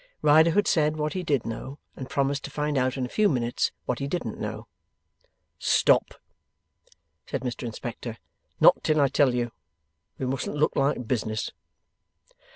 Riderhood said what he did know, and promised to find out in a few minutes what he didn't know. 'Stop,' said Mr Inspector; 'not till I tell you: We mustn't look like business.